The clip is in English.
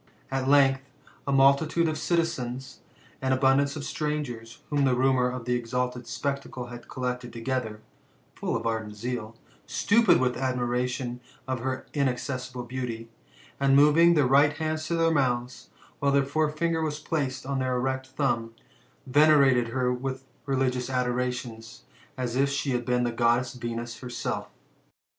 At length, a multitude of the citizens, and abundance of strangers, whom the rumour of the exalted spec tacle had collected together, full of ardent zeal, stupid with ad miration of her inaccessible beauty, and moving their right hand to their mouths, while their forefinger was placed on their erect thumb, venerated her with religious adorations, as if she had been the Goddess Venus herself.